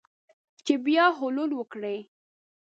چې بیا حلول وکړي